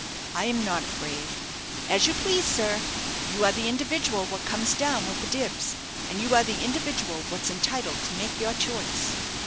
"I am not afraid." "As you please, sir. You are the individual what comes down with the dibbs; and you are the individual what's entitled to make your choice."